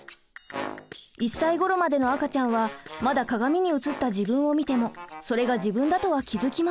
１歳ごろまでの赤ちゃんはまだ鏡に映った自分を見てもそれが自分だとは気付きません。